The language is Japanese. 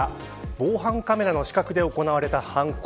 防犯カメラの死角で行われた犯行。